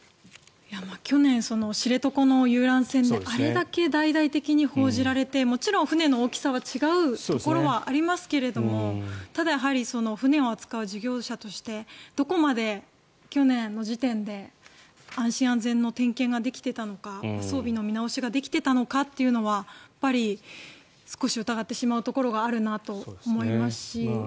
去年、知床の遊覧船であれだけ大々的に報じられてもちろん船の大きさは違うところはありますけどもただ、船を扱う事業者としてどこまで去年の時点で安心安全の点検ができていたのか装備の見直しができていたのかというのは少し疑ってしまうところがあるなと思いますし。